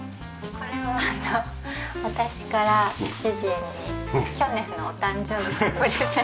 これはあの私から主人に去年のお誕生日のプレゼント。